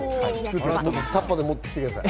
タッパーで持ってきてください。